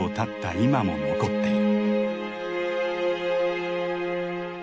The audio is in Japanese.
今も残っている。